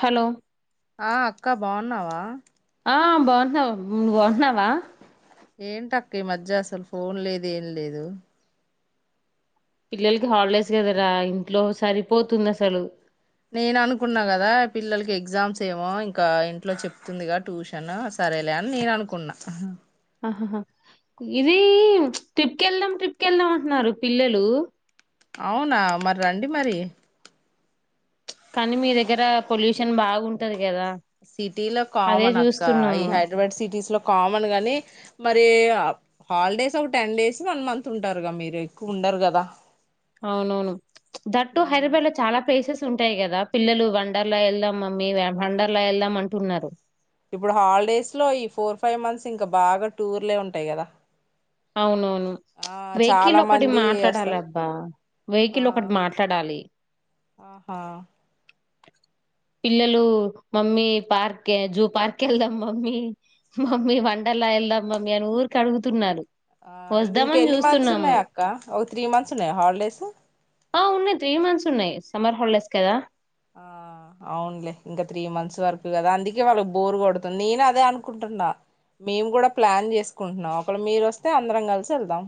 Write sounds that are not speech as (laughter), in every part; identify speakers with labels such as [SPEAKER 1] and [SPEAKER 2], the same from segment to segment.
[SPEAKER 1] Hello
[SPEAKER 2] ఆ అక్క బాగున్నావా.
[SPEAKER 1] ఆ బాగుంటున్నా బాగుంటున్నావా.
[SPEAKER 2] ఏంటి అక్క ఈ మధ్య అసలు ఫోన్ లేదు ఏం లేదు.
[SPEAKER 1] పిల్లలకి హాలిడేస్ కదరా ఇంట్లో సరిపోతుంది. అసలు
[SPEAKER 2] నేను అనుకున్నా కదా పిల్లలకి ఎగ్జామ్స్ ఏమో ఇంకా ఇంట్లో చెప్తుందిగా ట్యూషన్ సరేలే అని నేను అనుకున్నా.
[SPEAKER 1] ఆహహా ఇది ట్రిప్ క్ వెళ్దాం ట్రిప్ కి వెళ్దాం అంటున్నారు పిల్లలు
[SPEAKER 2] అవునా మరి రండి మరి
[SPEAKER 1] కానీ మీ దగ్గర పొల్యూషన్ బాగుంది.
[SPEAKER 2] సిటీ లో కామన్ అక్క ఈ
[SPEAKER 1] చూస్తున్నాము
[SPEAKER 2] హైదరాబాద్ సిటీస్ లో కామన్ గని మరి హా హాలిడేస్ ఒక టెన్ డేస్ వన్ మంత్ ఉంటారుగా మీరు ఎక్కువ ఉండరు కదా.
[SPEAKER 1] అవునవును దట్
[SPEAKER 2] ఉమ్.
[SPEAKER 1] హైదరాబాద్ లో చాలా ప్లేసెస్. ఉంటాయి. కదా పిల్లలు వండర్లా వెళ్దాం మమ్మీ వండర్లా వెళ్దాం అంటున్నారు.
[SPEAKER 2] ఇప్పుడు హాలిడేస్ లో ఈ ఫోర్ ఫైవ్ మంత్స్ ఇంకా బాగా టూర్లే ఉంటాయి కదా.
[SPEAKER 1] అవునవును
[SPEAKER 2] ఆ
[SPEAKER 1] వేకిల్
[SPEAKER 2] చాలా
[SPEAKER 1] ఒకటి
[SPEAKER 2] మంది
[SPEAKER 1] మాట్లాడాలి
[SPEAKER 2] వస్తారు
[SPEAKER 1] అబ్బా వేకిల్ ఒకటి
[SPEAKER 2] ఆ
[SPEAKER 1] మాట్లాడాలి.
[SPEAKER 2] ఆహా
[SPEAKER 1] పిల్లలు మమ్మీ పార్క్ జూ పార్క్ వెళ్దాం మమ్మీ మమ్మీ వండర్లా వెళ్దాం మమ్మీ అని ఊరికే అడుగుతున్నారు.
[SPEAKER 2] ఆ ఇంక
[SPEAKER 1] వద్దామని
[SPEAKER 2] ఎన్ని మంత్స్
[SPEAKER 1] చూస్తున్నాము
[SPEAKER 2] ఉన్నాయి అక్క ఓ త్రీ మంత్స్ ను హాలిడేస్.
[SPEAKER 1] ఆ ఉన్నాయి త్రీ మంత్స్ ఉన్నాయి సమ్మర్ హాలిడేస్ కదా.
[SPEAKER 2] ఆ అవునులే ఇంకా త్రీ మంత్స్ వరకు కదా అందుకే వాళ్ళకి బోర్ కొడుతుంది. నేను అదే అనుకుంటున్నా మేము కూడా ప్లాన్ చేసుకుంటున్నాం ఒకళ మీరు వస్తే అందరం కలిసి వెళ్దాం.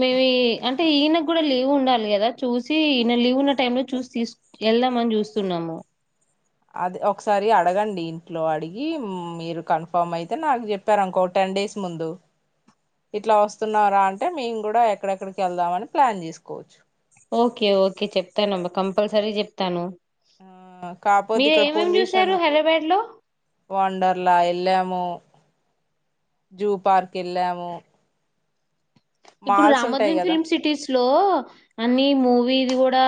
[SPEAKER 1] మేమి అంటే ఈయనకు కూడా లీవ్ ఉండాలి కదా చూసి ఈయన లీవ్ ఉన్న టైం లో చూసి తీ వెళ్దామని చూస్తున్నాము.
[SPEAKER 2] అది ఒకసారి అడగండి. ఇంట్లో అడిగి మీరు కన్ఫామ్ అయితే నాకు చెప్పారుంకో టెన్ డేస్ ముందు ఇట్లా వస్తున్నారా అంటే మేము కూడా ఎక్కడెక్కడికి వెళ్దామని ప్లాన్ చేసుకోవచ్చు.
[SPEAKER 1] ఓకే ఓకే చెప్తానుమ్బ కంపల్సరీ చెప్తాను.
[SPEAKER 2] ఆ కాపోతే
[SPEAKER 1] మీరు
[SPEAKER 2] ఇక్కడ
[SPEAKER 1] ఏమేమి
[SPEAKER 2] పొల్యూషన్
[SPEAKER 1] చూసారు హైదరాబాద్ లో
[SPEAKER 2] వండర్లా వెళ్ళాము. జూ పార్క్ ఎళ్ళాము.
[SPEAKER 1] ఇప్పుడు రామోజీ
[SPEAKER 2] కదా
[SPEAKER 1] ఫిల్మ్ సిటీస్. స్లో అన్ని మూవీది కూడా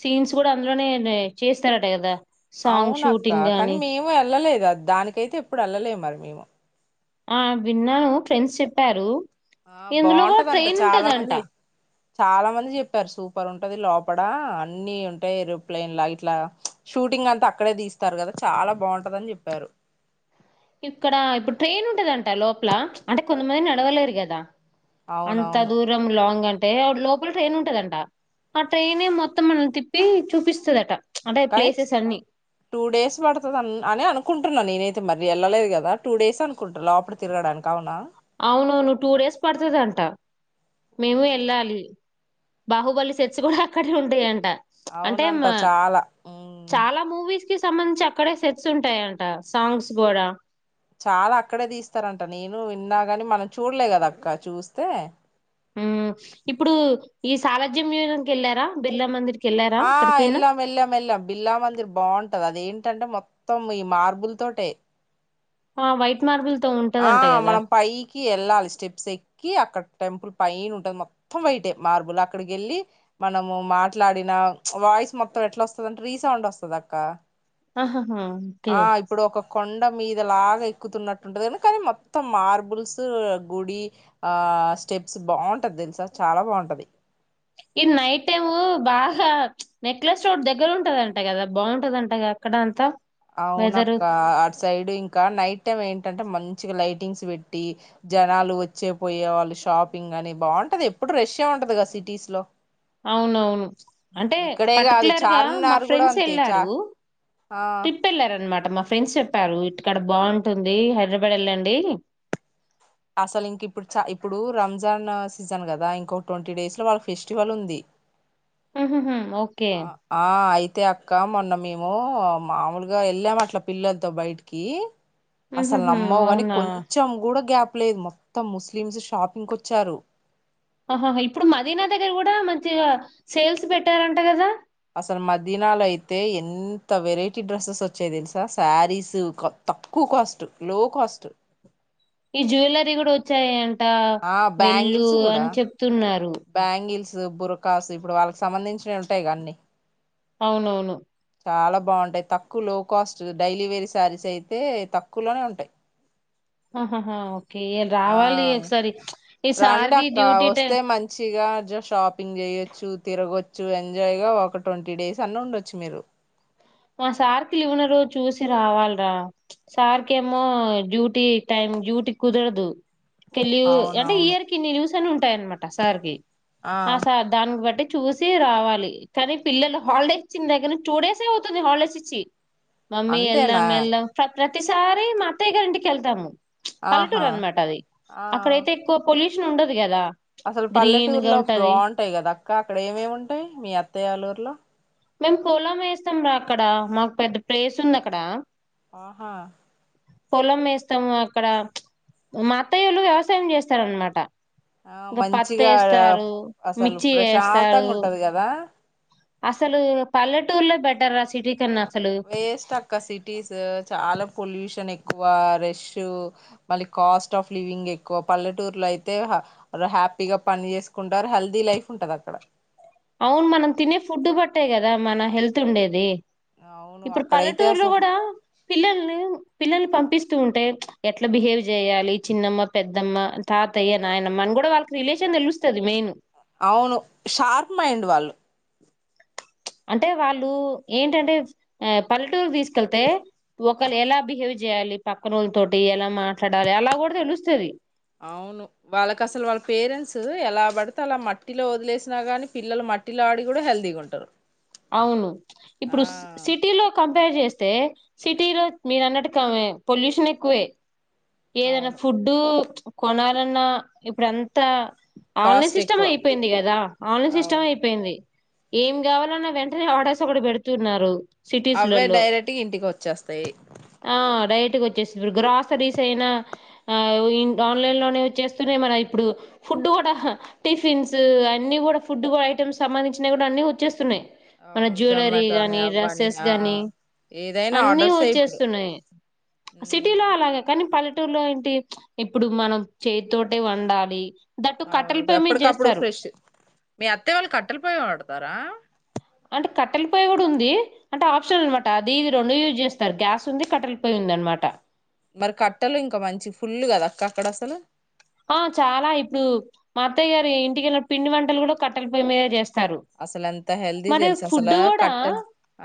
[SPEAKER 1] సీన్స్ కూడా అందులోనే చేస్తారట కదా. సాంగ్
[SPEAKER 2] అవునక్క
[SPEAKER 1] షూటింగ్
[SPEAKER 2] కానీ
[SPEAKER 1] గాని
[SPEAKER 2] మేము వెళ్ళలేదు. దానికైతే ఎప్పుడు వెళ్ళలే మరి మేము.
[SPEAKER 1] ఆ విన్నాను ఫ్రెండ్స్ చెప్పారు.
[SPEAKER 2] ఆ
[SPEAKER 1] ఇందులో కూడా
[SPEAKER 2] బాగుంటదంట
[SPEAKER 1] ట్రైన్
[SPEAKER 2] చాలా
[SPEAKER 1] ఉంటదంట
[SPEAKER 2] మంది చాలా మంది చెప్పారు. సూపర్ ఉంటది లోపడ అన్ని ఉంటాయి ఏరోప్లేన్ లా ఇట్లా షూటింగ్ అంతా అక్కడే తీస్తారు కదా చాలా బాగుంటది అని చెప్పారు.
[SPEAKER 1] ఇక్కడ ఇప్పుడు ట్రైన్ ఉంటదంట లోపల అంటే కొంతమంది నడవలేరు కదా అంత
[SPEAKER 2] అవునవును
[SPEAKER 1] దూరం లాంగ్ అంటే అంటే లోపల ట్రైన్ ఉంటదంట. ఆ ట్రైనే మొత్తం మనల్ని తిప్పి చూపిస్తదట. అంటే
[SPEAKER 2] కానీ
[SPEAKER 1] ప్లేసెస్ అన్ని
[SPEAKER 2] టూ డేస్ పడుతది అని అనుకుంటున్నా నేనతే అయితే మరి వెళ్ళలేదు కదా టూ డేస్ అనుకుంట లోపటి తిరగడానికి అవున
[SPEAKER 1] అవునువును్వు టూ డేస్ పడుతుదంట
[SPEAKER 2] ఓ
[SPEAKER 1] మేము వెళ్ళాలి బాహుబలి సెర్చ్ కూడా అక్కడే ఉంటాయంట అంటే
[SPEAKER 2] అవునంట
[SPEAKER 1] మా
[SPEAKER 2] చాలా ఉ
[SPEAKER 1] చాలా మూవీస్ కి సంబంధించి అక్కడే సెట్స్ ఉంటాయంట సాంగ్స్ కూడా
[SPEAKER 2] చాలా అక్కడే తీస్తారంట నేను విన్నా ని మనం చూడలే కదా అక్క చూస్తే
[SPEAKER 1] ఉ ఇప్పుడు ఈ సాలజ్యం యగంకి వెళ్లారా బిర్లా మందిర్కి
[SPEAKER 2] ఆ వెళ్ల్ాం వెళ్ళాం వెళ్ళాం బిల్లా మందిర్ బాగుంటది అదేంటి ఏంటంటే మొత్తం ఈ మార్బుల్ తోటే
[SPEAKER 1] ఆ వైట్ మార్బల్
[SPEAKER 2] ఆ మనం పైకి వెళ్ళాలి స్టెప్స్ ఎక్కి అక్కడ టెంపుల్ పైన ఉంటుంది మొత్తం వైటే మార్బుల్ అక్కడికి వెళ్ళి మనము మాట్లాడిన వాయిస్ మొత్తం ఎట్లా వస్తుంది అంటే రీసౌండ్ వస్తుంది అక్క
[SPEAKER 1] ఆహాహా ఓకే
[SPEAKER 2] ఆ ఇప్పుడు ఒక కొండ మీదలాగా ఎక్కుతున్నట్టుంటదని కానీ మొత్తం మార్బుల్స్ గుడి ఆ స్టెప్స్ బాగుంటది తెలుసా చాలా బాగుంటది
[SPEAKER 1] ఇది నైట్ టైము బాగా నెక్లెస్ రోడ్డు దగ్గర ఉంటదంట కదా బాగుంటదంటద అక్కడ అంతా వెదరు
[SPEAKER 2] అవునక్క అటు సైడ్ ఇంకా నైట్ టైం ఏంటంటే మంచి మచ్చగా లైటింగ్స్ పెట్టి జనాలు వచ్చే పోయే వాళ్ళు షాపింగ్ అని బాగుంటది ఎప్పుడు రష్యా ఉంటది కదా సిటీస్ లో
[SPEAKER 1] అవునవును అంటే
[SPEAKER 2] ఇక్కడే కాదు
[SPEAKER 1] పర్టికులర్గా మా
[SPEAKER 2] చార్మినార్ కూడా
[SPEAKER 1] ఫ్రెండ్స్
[SPEAKER 2] అంతే చా
[SPEAKER 1] వెళ్ళారు
[SPEAKER 2] ఆ
[SPEAKER 1] అనమాట మా ఫ్రెండ్స్ చెప్పారు ఇటుక్కడ బాగుంటుంది హైదరాబాద్ వెళ్ళండి
[SPEAKER 2] అసలు ఇంక ఇప్పుడు చ ఇప్పుడు రంజాన్ సీజన్ కదా ఇంకొ ట్వంటీ డేస్ లో వాళ్ళకి ఫెస్టివల్ ఉంది
[SPEAKER 1] ఉహూహూ
[SPEAKER 2] ఆ ఆ ఆయి తే అక్క మొన్న మేము మామూలుగా వెళ్ళాం అట్ల పిల్లలతో బయటికి
[SPEAKER 1] మ్మ్ హ్మ్
[SPEAKER 2] అసలు
[SPEAKER 1] హ్మ్
[SPEAKER 2] నమ్మవు కానీ
[SPEAKER 1] అవునా
[SPEAKER 2] కొంచెం కూడా గ్యాప్ చెప్పలేదు మొత్తం ముస్లిమ్స్ షాపింగ్ వచ్చారు
[SPEAKER 1] ఆహాహ ఇప్పుడు మదీనా దగ్గర కూడా మంచిగా సేల్స్ పెట్టారంట కదా
[SPEAKER 2] అసలు మద్యానాలో అయితే ఎంత వెరైటీ డ్రెస్సెస్ వచ్చాయ తెలుసా శారీస్ తక్కువ కాస్ట్ లో కాస్ట్
[SPEAKER 1] ఈ జ్యవెలరీ కూడా వచ్చాయా ంటా
[SPEAKER 2] ఆ
[SPEAKER 1] వెళ్ళు
[SPEAKER 2] బ్యాంగిల్స్
[SPEAKER 1] అని చెప్తున్నారు
[SPEAKER 2] జూ బుర కాసు ఇప్పుడు వాళ్ళకి సంబంధించినవి ఉంటాయి కాన్ని
[SPEAKER 1] అవునవును
[SPEAKER 2] చాలా బాగుంటాయి తక్కువ లో కాస్ట్ డైలివరీ శారీస్ అయితే తక్కువలోనే ఉంటాయి
[SPEAKER 1] ఆహహా ఓకే
[SPEAKER 2] ఆ
[SPEAKER 1] రావాలి ఒకసారి ఈ సార్కి డ్యూటీ టైం
[SPEAKER 2] మ షాపింగ్ చేయొచ్చు తిరగొచ్చు ఎంజాయ్ గా ఒక ట్వంటీ డేస్ అన్న ఉండొచ్చు మీరు
[SPEAKER 1] మా సార్కిలి ఉన ర చూసి రావాలరా సార్కిేమో డ్యూటీ టైమ్ డ్యూటీ కుదరదు కే లీవ్ అంటే
[SPEAKER 2] అవునవును
[SPEAKER 1] ఎన్ని లీవ్స్ సను ఉంటాయి అనమాట సార్ వి ఆ సా దానికి బట్టి చూసి రావాలి కానీ పిల్లలు హాలిడేస్ ఇచ్చిన్ దగ్గర నుంచి టూ డేస్ ఎ అవు (unintelligible) హాలిడేస్ ఇచ్చి మమ్మీ
[SPEAKER 2] అంతేనా
[SPEAKER 1] ఏల్దాం ఏల్దాం ప్రతిసారి మా అత్తయ్య గారి ఇంటికికెళ్తాము
[SPEAKER 2] ఆహా
[SPEAKER 1] పల్లెటూరు అనమాట అది
[SPEAKER 2] ఆ
[SPEAKER 1] అక్కడైతే ఎక్కువ పొల్యూష్ ఉండదు కదా
[SPEAKER 2] అసలు
[SPEAKER 1] గ్రీన్ గా
[SPEAKER 2] పల్లెటూరులో
[SPEAKER 1] ఉంటది
[SPEAKER 2] బాంటాయి కదా అక్క అక్కడ ఏమేమింటాయి మీ అత్తయ్య వాళ్ళ ఊరిలో
[SPEAKER 1] మేము పోలం వేస్తాం రా అక్కడ మాకు పెద్ద ప్లేస్ ఉంది అక్కడ
[SPEAKER 2] ఆహా
[SPEAKER 1] పొలం వేస్తాము అక్కడ మా అత్తయోలు వ్యవసాయం చేస్తారు అనమాట
[SPEAKER 2] ఆ మంచిగా అసలు
[SPEAKER 1] మిర్చి
[SPEAKER 2] ప్రశాంతంగా
[SPEAKER 1] వేస్తారు
[SPEAKER 2] ఉంటది కదా
[SPEAKER 1] అసలు పల్లెటూర్లో బెటర్ రా సిటీ కన్నా అసలు
[SPEAKER 2] వేస్ట్ అక్క సిటీస్ చాలా పొల్యూషన్ ఎ ఎక్కువ రష్ మళ్ళీ కాస్ట్ ఆఫ్ లివింగ్ ఎక్కువ పల్లెటూర్లో అయితే హ హ్యాపీగా పని చేసుకుంటారు హెల్దీ లైఫ్ ఉంటది అక్కడ
[SPEAKER 1] అవును మనం తినే ఫుడ్ పట్టాయి కదా మన హెల్త్ ఉండేది
[SPEAKER 2] అవును
[SPEAKER 1] ఇప్పుడు
[SPEAKER 2] అక్కడైతే
[SPEAKER 1] పల్లెటూరులో
[SPEAKER 2] అసలు
[SPEAKER 1] కూడా పిల్లల్ని పిల్లల్ని పంపిస్ తు ఉంటే ఎట్లా బిహేవ్ చేయాలి చిన్నమ్మ పెద్దమ్మ తాతయ్య నాయనమ్మ అని కూడా వాళ్ళకి రిలేషన్ తెలుస్తది మెయిన్
[SPEAKER 2] అవును షార్ప్ మైండ్ వాళ్ళు
[SPEAKER 1] అంటే వాళ్ళు ఏంటంటే ఆ పల్లెటూరు తీసుకెళ్తే ఒకలు ఎలా బిహేవ్ చేయాలి పక్కన వాళ్ళ తోటి ఎలా మాట్లాడాలి అలా కూడా తెలుస్తుంది
[SPEAKER 2] అవును వాళ్ళకి అసలు వాళ్ళ పేరెంట్స్ ఎలా పడితే అలా మట్టిలో వదిలేసినా కాని పిల్లలు మట్టిలో ఆడి కూడా హెల్దీగా ఉంటారు
[SPEAKER 1] అవును
[SPEAKER 2] ఆ
[SPEAKER 1] ఇప్పుడు సిటీలో కం కంప్యార్ చేస్తే సిటీలో మీరు అన్నట్టు కా పొల్యూషన్ ఎక్కువే ఏదైనా
[SPEAKER 2] అవును
[SPEAKER 1] ఫుడ్డు కొనాలన్నా ఇప్పుడు అంతా ఆన్లైన్
[SPEAKER 2] కాస్ట్
[SPEAKER 1] సిస్టమ్
[SPEAKER 2] ఎక్కువ
[SPEAKER 1] అయిపోయింది కదా ఆన్లైన్ సిస్టమ్
[SPEAKER 2] అవును
[SPEAKER 1] అయిపోయింది ఏం గావాలన్న వెంటనే ఆర్డర్స్ అక్కడ పెడుతున్నారు
[SPEAKER 2] అవే
[SPEAKER 1] సిటీస్లలో
[SPEAKER 2] డైరెక్ట్ గా ఇంటికి వచ్చేస్తాయి
[SPEAKER 1] ఇంటి వచ్చేసు గ్రాసరీస్ అయినా ఆన్లైన్ లోనే వచ్చేస్తున్నాయి మన ఇప్పుడు ఫుడ్ కూడా టిఫిన్స్ అన్ని కూడా ఫుడ్ ఐటమ్స్ సంబంధించినవి కూడా అన్ని వచ్చేస్తున్నాయ్ మన
[SPEAKER 2] అవును
[SPEAKER 1] జ్యువెలరీ
[SPEAKER 2] జొమాటో అని
[SPEAKER 1] గాని
[SPEAKER 2] అవ్వని
[SPEAKER 1] డ్రెస్సెస్
[SPEAKER 2] ఆ
[SPEAKER 1] గాని
[SPEAKER 2] ఏదైనా
[SPEAKER 1] అన్ని
[SPEAKER 2] ఆర్డర్సే ఇప్పుడు
[SPEAKER 1] వచ్చేస్తున్నాయి
[SPEAKER 2] ఉమ్
[SPEAKER 1] సిటీలో అలాగే కానీ పల్లె టుర్ లో ఏంటి ఇప్పుడు మనం చేతితోటే వండాలి దట్టు కట్టెల
[SPEAKER 2] అవు
[SPEAKER 1] పొయ్యి మీద
[SPEAKER 2] ఎప్పటికప్పుడు
[SPEAKER 1] చేస్తారు
[SPEAKER 2] ఫ్రెష్ మీ అత్తయ్య వాళ్ళు కట్టెల పోయ వాడతారా
[SPEAKER 1] అంటే కట్టెల పొయి కూడా ఉంది అంటే ఆప్షన్ అనమాట అది ఇది రెండు యూజ్ చేస్తారు గ్యాస్ ఉంది కట్టెల పోయి ఉంది అనమాట
[SPEAKER 2] మరి కట్టలు ఇంకా మంచి ఫుల్ కదా అక్క అక్కడ అసలు
[SPEAKER 1] ఆ చాలా ఇప్పుడు మా అత్తయ్య గారు ఇంటికెళ్ళిన పిండి వంటలు కూడా కట్టల పొయ్య మీదే చేస్ స్తారు
[SPEAKER 2] అసలు ఎంత హెల్తీ
[SPEAKER 1] మరి
[SPEAKER 2] తెలుసా
[SPEAKER 1] ఫుడ్
[SPEAKER 2] అసలు
[SPEAKER 1] కూడా
[SPEAKER 2] కట్టెలు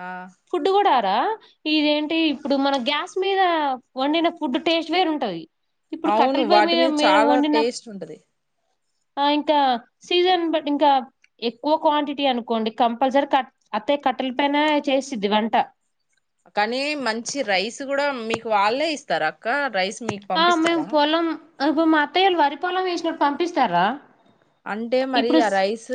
[SPEAKER 2] ఆ
[SPEAKER 1] ఫుడ్ కూడారా ఇదేం అంటే ఇప్పుడు మన గ్యాస్ మీద వండిన ఫుడ్ టేస్ట్ వేరుంటది
[SPEAKER 2] అవును వాటి మీదా చాలా టేస్ట్ ఉంటది
[SPEAKER 1] ఆ ఇంకా సీజన్ బ ఇంకా ఎక్కువ క్వాంటిటీ అనుకోండి కంపల్సరీ కట్ అత్తే కట్టెల పైన చేస్తుద్ది వంట
[SPEAKER 2] కానీ మంచి రైస్ కూడా మీకు వాళ్ళే ఇస్తారు అక్క రైస్ మీకు
[SPEAKER 1] ఆ మేము
[SPEAKER 2] పంపిస్తారా
[SPEAKER 1] పోలం అ మా అత్తయ్యలు వరిపొలెం వేసినప్పుడు పంపిస్తారా
[SPEAKER 2] అంటే మరి
[SPEAKER 1] ఇప్పుడు
[SPEAKER 2] ఆ రైస్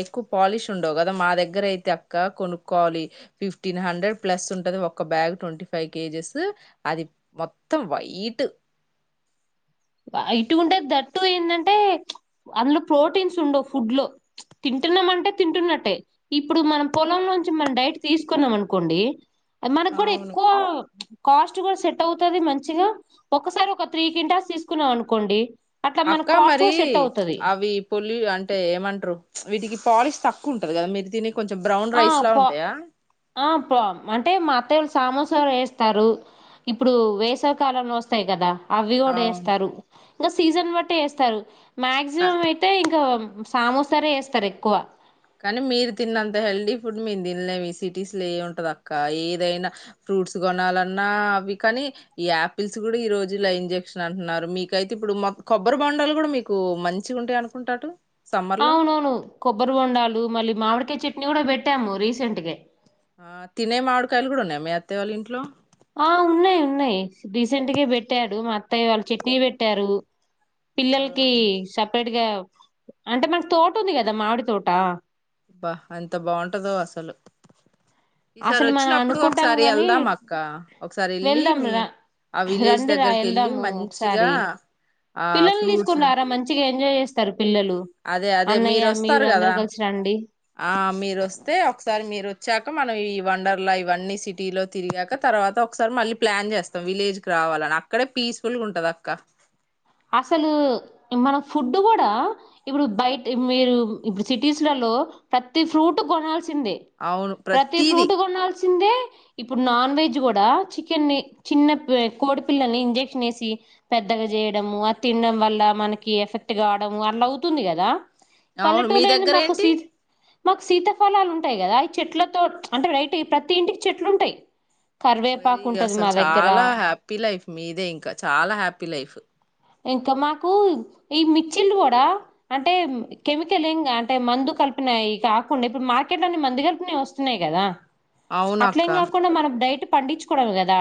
[SPEAKER 2] ఎక్కువ పాలిష్ ఉండవు కదా మా దగ్గర దగ్గర అయితే అక్క కొనుక్కోవాలి ఫిఫ్టీన్ హండ్రెడ్ ప్లస్ ఉంటది ఒక బ్యాగ్ ట్వంటీ ఫైవ్ కేజెస్ అది మొత్తం వైట్
[SPEAKER 1] ఇటు ఉంటది థాట్ టు ఏంటంటే అందులో ప్రోటీన్స్ ఉండవు ఫుడ్ లో తింటున్నాం అంటే తింటున్నట్టే ఇప్పుడు మనం పొలంలో నుంచి మనం డైట్ తీసుకున్నాం అనుకోండి మనకి కూడా
[SPEAKER 2] అవును
[SPEAKER 1] ఎక్కువ కాస్ట్ కూడా సెట్ అవుతుది మంచిగా ఒకసారి ఒక త్రీ కింటాల్స్ తీసు చకున్నాం అనుకోండి
[SPEAKER 2] అక్క మరి
[SPEAKER 1] కూడా సెట్ అవుతది
[SPEAKER 2] అవి పొలి అంటే ఏమంటారు వీటికి పాలిష్ తక్కువ కుంటది కద మీరు తిననికి
[SPEAKER 1] ఆ పో ఆ పో అంటే మా అత్తయ్య వాల్ సామోసాలు వేస్తారు ఇప్పుడు వేసవి కాలంలో వస్తాయి కదా అవి కూడా
[SPEAKER 2] అవును
[SPEAKER 1] వేస్తారు ఇంకా సీజన్ బటి వేస్తారు మాక్సిమం అయితే ఇంకా సామోసారే వేస్తారు ఎక్కువ
[SPEAKER 2] కానీ మీరు తిన్నంత హెల్దీ ఫుడ్ మేము తినలేము సిటీస్ లో ఉంటది అక్క ఏదైనా ఫ్రూట్స్ కొనాలన్నా అవి కానీ ఆపిల్స్ కూడా ఈ రోజుల ఇంజెక్షన్ అంటున్నారు మీకయితే ఇప్పుడు కొబ్బరి బాండాలు కూడా మీకు మంచి ఉంటాయి అనుకుంటాట్
[SPEAKER 1] అవునవును కొబ్బరి బొండాలు మళ్ళీ మామిడికాయ చట్నీ కూడా పెట్టాము రీసెంట్
[SPEAKER 2] ఆ తినే మాడికాయలు కూడా ఉన్నాయ మీ అత్తేవాళ్ళ ఇంట్లో
[SPEAKER 1] ఆ ఉన్నాయి ఉన్నాయి రీసెంట్గా పెట్టాడు మా అత్తయ్య వాళ్ళు చట్నీ పెట్టారు
[SPEAKER 2] ఆ
[SPEAKER 1] పిల్లలకి సపరేట్ గా అంటే మనకు తోట ఉంది కదా మామిడి తోట
[SPEAKER 2] బా అంత బాగుంటదో అసలు ఈసారి
[SPEAKER 1] అసలు మనం
[SPEAKER 2] వచ్చినప్పుడు
[SPEAKER 1] అనుకుంటాం
[SPEAKER 2] ఒకసారి
[SPEAKER 1] కాని
[SPEAKER 2] వెళ్దాం అక్క ఒకసారి వెళ్ళి
[SPEAKER 1] వెళ్దాం
[SPEAKER 2] మీ
[SPEAKER 1] రా
[SPEAKER 2] ఆ విలేజ్
[SPEAKER 1] రండి రా
[SPEAKER 2] దగ్గరకి వెళ్ళి
[SPEAKER 1] వెళ్దాము
[SPEAKER 2] మంచిగా
[SPEAKER 1] ఒకసారి
[SPEAKER 2] ఆ
[SPEAKER 1] పిల్లల్ని
[SPEAKER 2] ఫ్రూట్స్
[SPEAKER 1] తీసుకుని రారా మంచిగా ఎంజాయ్ చేస్తారు పిల్లలు
[SPEAKER 2] అదే అదే
[SPEAKER 1] అన్నయ్య
[SPEAKER 2] మీరూ
[SPEAKER 1] మీరు
[SPEAKER 2] వస్తారు
[SPEAKER 1] అందరు
[SPEAKER 2] కదా
[SPEAKER 1] కలిసి రండి
[SPEAKER 2] ఆ మీరు వచ్చాక ఒకసారి మీరు వచ్చాక మనం ఈ వండర్లా ఇవన్నీ సిటీలో తిరిగాక తర్వాత ఒకసారి మళ్ళీ ప్లాన్ చేస్తాం విలేజ్ కి రావాలని అక్కడే పీస్ఫుల్ గా ఉంటది అక్క
[SPEAKER 1] అసలు మన ఫుడ్ కూడా ఇప్పుడు బయట మీరు ఇప్పుడు సిటీస్లలో ప్రతి ఫ్రూట్ కొనాల్సిన సింధీ
[SPEAKER 2] అవును
[SPEAKER 1] ప్రతి
[SPEAKER 2] ప్రతిదీ
[SPEAKER 1] ఫ్రూట్ కొనాల్సిందే ఇప్పుడు నాన్ వెజ్ కూడా, చికెన్ని చిన్న కోడి పిల్లని ఇంజెక్షన్ వేసి పెద్దగా చేయ అ తినడం వల్ల మనకి ఎఫెక్ట్ కావడము అట్లా అవుతుంది కదా
[SPEAKER 2] అవును మీ
[SPEAKER 1] పల్లెటూరులో ఏంది
[SPEAKER 2] దగ్గర
[SPEAKER 1] మాకు
[SPEAKER 2] ఏంటి
[SPEAKER 1] సీ మాకు శీతఫలాలు ఉంటాయి కదా, ఈ చెట్లతో అంటే రైట్ ప్రతి ఇంటికి చెట్లు ఉంటాయి.
[SPEAKER 2] వెరీ
[SPEAKER 1] కరివేపాకు ఉంటది మా
[SPEAKER 2] అసలు
[SPEAKER 1] దగ్గర
[SPEAKER 2] చాలా హ్యాపీ లైఫ్ మీదే ఇంకా చాలా హ్యాపీ లైఫ్
[SPEAKER 1] ఇంకా మాకు ఈ మిర్చిలు కూడా, అంటే కెమికల్ ఏం అంటే మందు కలిపినాయి కాకుండా, ఇప్పుడు మార్కెట్ లోన్న మందు కలిపినవి వస్తున్నాయి కదా
[SPEAKER 2] అవున అక్క
[SPEAKER 1] అట్లేం కాకుండా మనం డైట్ పండించుకోడమే కదా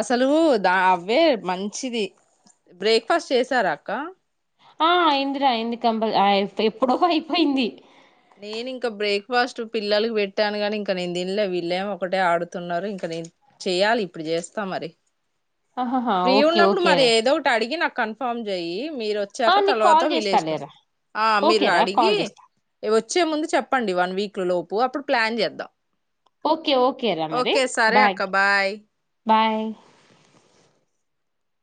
[SPEAKER 2] అసలు దా అవే మంచిది బ్రేక్ఫాస్ట్ చేసార అక్క
[SPEAKER 1] ఆ అయిందిరా అయింది కంపల్ ఎప్పుడో అయిపోయింది
[SPEAKER 2] నేను ఇంకా బ్రేక్ఫాస్ట్ పిల్లలకి పెట్టాను కాని ఇంక నేను తిన్లే, వీళ్ళేం ఒకటే ఆడుతున్నారు ఇంక నేను చెయ్యాలి ఇప్పుడు చేస్తా మరి
[SPEAKER 1] ఆహాహా
[SPEAKER 2] ప్రి
[SPEAKER 1] ఓకే
[SPEAKER 2] ఉన్నప్పుడు
[SPEAKER 1] ఓకే
[SPEAKER 2] మరి
[SPEAKER 1] రా
[SPEAKER 2] ఏదో ఒకటి అడిగి నాక్ కన్ఫర్మ్ చేయి మీరు
[SPEAKER 1] ఆ
[SPEAKER 2] వచ్చాక
[SPEAKER 1] నీకు
[SPEAKER 2] తర్వాత
[SPEAKER 1] కాల్ చేస్తా
[SPEAKER 2] విలేజ్ కు వస్త
[SPEAKER 1] లేరా
[SPEAKER 2] ఆ మీరు
[SPEAKER 1] ఓకేరా
[SPEAKER 2] అడిగి
[SPEAKER 1] కాల్ చేస్తా
[SPEAKER 2] వచ్చే ముందు చెప్పండి వన్ వీక్ లో లోపు అప్పుడు ప్లాన్ చేద్దాం
[SPEAKER 1] ఓకే ఓకే రా మరి
[SPEAKER 2] ఓకే సరే
[SPEAKER 1] బాయ్
[SPEAKER 2] అక్క బాయ్
[SPEAKER 1] బాయ్